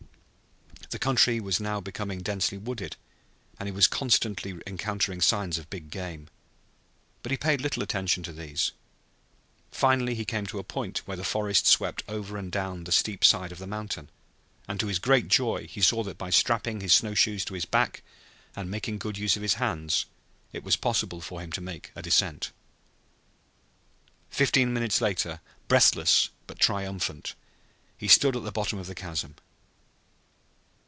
The country was now becoming densely wooded and he was constantly encountering signs of big game. But he paid little attention to these. Finally he came to a point where the forest swept over and down the steep side of the mountain, and to his great joy he saw that by strapping his snow shoes to his back and making good use of his hands it was possible for him to make a descent. Fifteen minutes later, breathless but triumphant, he stood at the bottom of the chasm.